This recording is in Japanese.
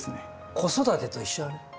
子育てと一緒だね。